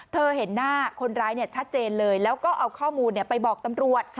เห็นหน้าคนร้ายชัดเจนเลยแล้วก็เอาข้อมูลไปบอกตำรวจ